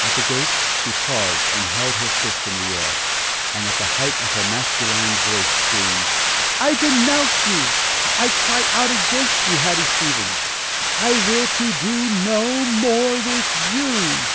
At the gate, she paused and held her fist in the air, and at the height of her masculine voice screamed: "I denounce you! I cry out against you, Hattie Stevens! I will to do no more with you!"